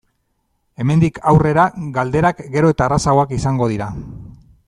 Hemendik aurrera galderak gero eta errazagoak izango dira.